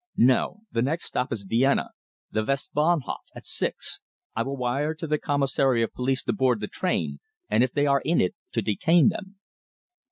No. The next stop is Vienna the Westbahnhof at 6. I will wire to the Commissary of Police to board the train, and if they are in it, to detain them."